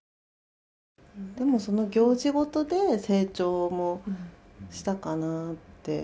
でもその行事ごとで成長もしたかなって思いますね。